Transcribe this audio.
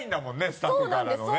スタッフからのね。